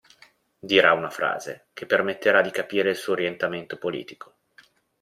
Dirà una frase che permetterà di capire il suo orientamento politico.